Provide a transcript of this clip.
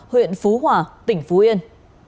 huyện phú hòa tỉnh phú yên